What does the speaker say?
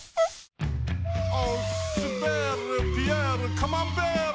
オスベルピエールカマンベール！